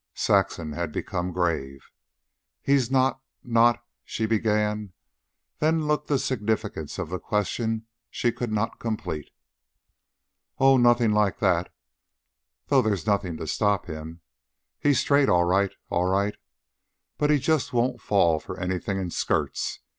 Saxon had become grave. "He's not... not..." she began, than looked the significance of the question she could not complete. "Oh, nothin' like that though there's nothin' to stop him. He's straight, all right, all right. But he just won't fall for anything in skirts.